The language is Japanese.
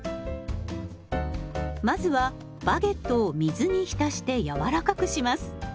まずはバゲットを水に浸して柔らかくします。